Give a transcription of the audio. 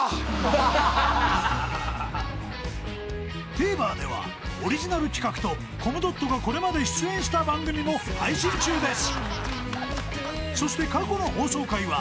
［ＴＶｅｒではオリジナル企画とコムドットがこれまで出演した番組も配信中です！］